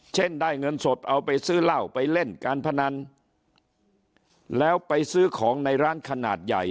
เช่นได้เงินสดเอาไปซื้อเหล้าไปเล่นการพนันแล้วไปซื้อของในร้านขนาดใหญ่